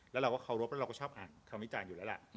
แล้วเราก็เคารพแล้วเราก็ชอบอ่านคำวิจารณ์อยู่แล้วล่ะ